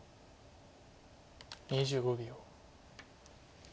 ２５秒。